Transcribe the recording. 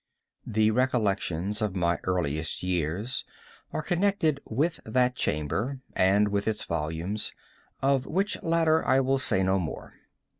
The recollections of my earliest years are connected with that chamber, and with its volumes—of which latter I will say no more.